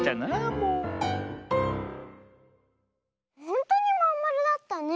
ほんとにまんまるだったね！